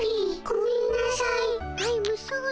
ごめんなさい。